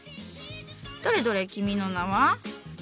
どれどれ君の名は？